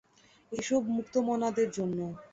এসব মুক্তমনাদের জন্য।